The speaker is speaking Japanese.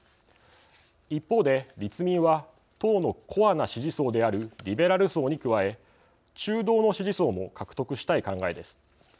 一方で、立民は党のコアな支持層であるリベラル層に加え中道の支持層も獲得したい考えです。